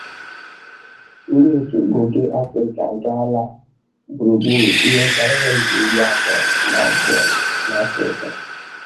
Ndị otu Goge Africa agala gburugburu ihe karịrị mba iri atọ na abụọ n'Africa.